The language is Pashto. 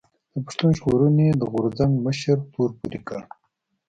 د پښتون ژغورنې د غورځنګ مشر تور پورې کړ